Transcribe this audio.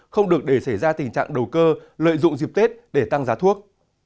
không được để xảy ra tình trạng đầu cơ lợi dụng dịp tết để tăng giá thuốc